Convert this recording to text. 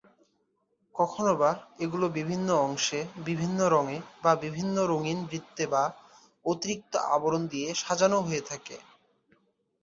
কখনোবা এগুলো বিভিন্ন অংশে বিভিন্ন রঙে বা বিভিন্ন রঙিন বৃত্তে বা অতিরিক্ত আবরণ দিয়ে সাজানো হয়ে থাকে।